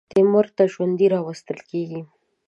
او تیمور ته ژوندی راوستل کېږي.